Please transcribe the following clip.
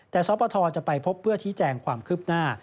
แต่สปทจะไปพบเพื่อชี้แจงความคืบหน้า